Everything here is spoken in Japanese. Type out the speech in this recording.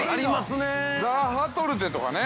◆ザッハトルテとかね。